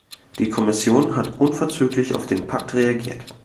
Die Kommission hat unverzüglich auf den Pakt reagiert.